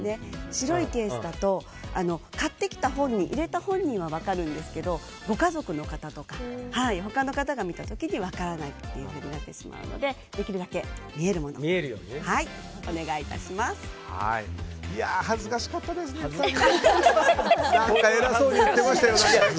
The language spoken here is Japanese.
白いケースだと買ってきた本人、入れた本人は分かるんですけどご家族の方とか他の方が見た時分からないとなってしまうのでできるだけ見えるものでお願い致します。